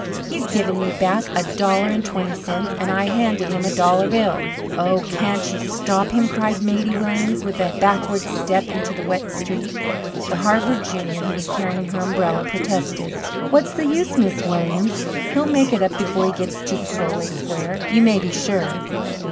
"He's given me back a dollar and twenty cents, and I handed him a dollar bill." "Oh, can't you stop him?" cried Maidie Williams, with a backward step into the wet street. The Harvard junior, who was carrying her umbrella, protested: "What's the use. Miss Williams? He'll make it up before he gets to Scollay Square, you may be sure.